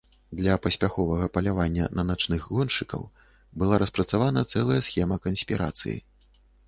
Для паспяховага палявання на начных гоншчыкаў была распрацавана цэлая схема канспірацыі.